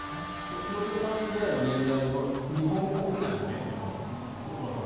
廣津留さんぐらいの年代の日本国内の若者